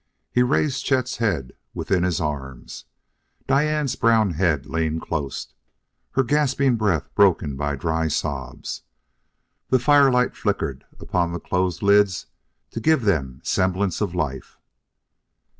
He raised Chet's head within his arms; Diane's brown head leaned close, her gasping breath broken by dry sobs. The firelight flickered upon the closed lids to give them semblance of life.